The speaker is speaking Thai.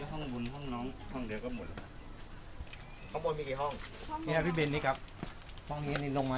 ว่าจะได้ครับมีใจมากมากเลยครับไม่พี่พี่มีความรู้สึกยังไงครับ